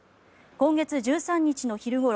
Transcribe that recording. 今月１３日の昼ごろ